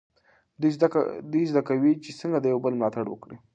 دوی زده کوي چې څنګه د یو بل ملاتړ وکړي.